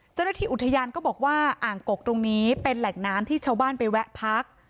เจ้าหน้าที่อุทยานก็บอกว่าอ่างกกตรงนี้เป็นแหล่งน้ำที่ชาวบ้านไปแวะพัก